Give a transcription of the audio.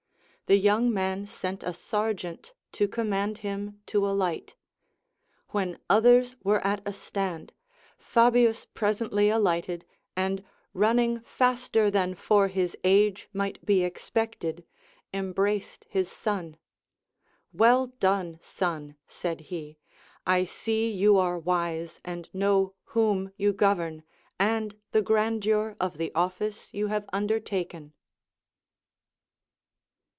The young man AND GREAT COMMANDERS. 229 sent a sergeant to command him to alight ; when others Avere at a stand, Fabius presently alighted, and running faster than for his age might be expected, embraced his son. AVell done, son, said he, I see you are Λvise, and know whom you govern, and the grandeur of the office you have undertaken.